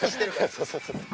そうそうそうそう。